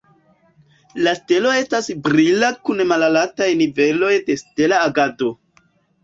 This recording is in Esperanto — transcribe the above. La stelo estas brila kun malaltaj niveloj de stela agado.